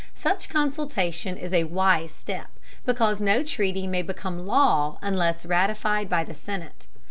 Such consultation is a wise step, because no treaty may become law unless ratified by the Senate.